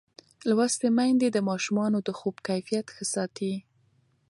لوستې میندې د ماشومانو د خوب کیفیت ښه ساتي.